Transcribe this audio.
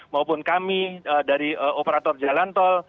maupun kami dari operator jalan tol